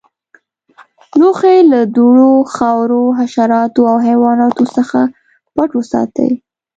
لوښي له دوړو، خاورو، حشراتو او حیواناتو څخه پټ وساتئ.